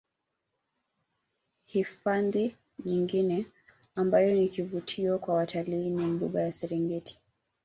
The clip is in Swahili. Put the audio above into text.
Hifandhi nyingine ambayo ni kivutio kwa watalii ni mbuga ya Serengeti